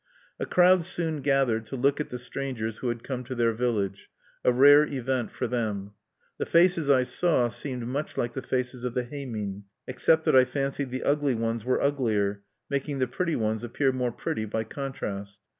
"A crowd soon gathered to look at the strangers who had come to their village, a rare event for them. The faces I saw seemed much like the faces of the heimin, except that I fancied the ugly ones were uglier, making the pretty ones appear more pretty by contrast.